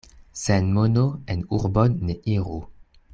Sen mono en urbon ne iru.